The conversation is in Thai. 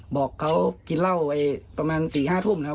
บอกเขากินเหล้าประมาณ๔๕ทุ่มนะครับ